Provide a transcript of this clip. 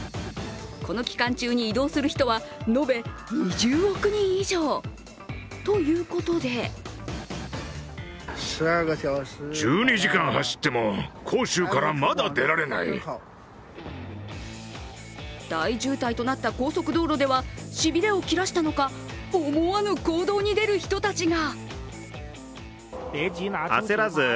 この期間中に移動する人は延べ２０億人以上。ということで大渋滞となった高速道路ではしびれを切らしたのか、思わぬ行動に出る人たちが。